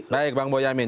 baik bang uyamin